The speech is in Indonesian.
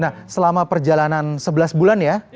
nah selama perjalanan sebelas bulan ya